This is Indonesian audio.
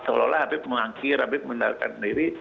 seolah olah habis mengakhir habis melarikan diri